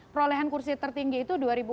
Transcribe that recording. perolehan kursi tertinggi itu dua ribu empat belas